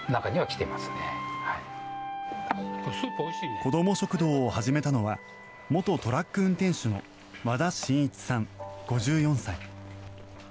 子ども食堂を始めたのは元トラック運転手の和田信一さん５４歳。